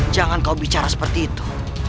jangan kau bicara seperti itu